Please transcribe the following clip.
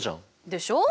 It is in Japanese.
でしょう？